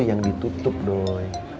yang ditutup doi